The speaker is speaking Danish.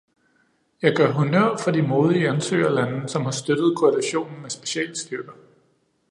Jeg gør honnør for de modige ansøgerlande, som har støttet koalitionen med specialstyrker.